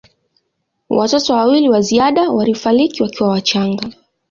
Watoto wawili wa ziada walifariki wakiwa wachanga.